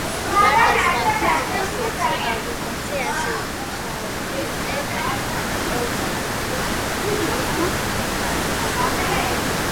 გარდა სხვა მუსიკოსებისა, ალბომზე ასევე მუშაობდნენ პოლ მაკ-კარტნი და ჯორჯ ჰარისონი.